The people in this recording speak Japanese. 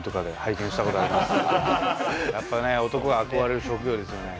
やっぱね男があこがれる職業ですよね。